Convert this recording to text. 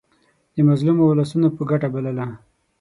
د مظلومو اولسونو په ګټه بلله.